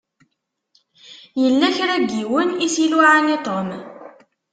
Yella kra n yiwen i s-iluɛan i Tom.